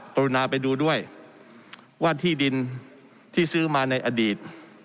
กรุณาไปดูด้วยว่าที่ดินที่ซื้อมาในอดีต